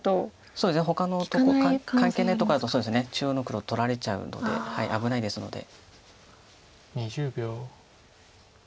そうですねほかの関係ないとこだと中央の黒取られちゃうので危ないですので。